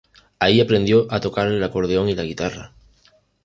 Ahí aprendió a tocar el acordeón y la guitarra.